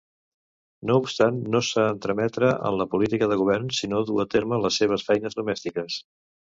No obstant, no s'ha entremetre en la política del govern, sinó dur a terme les seves feines domèstiques.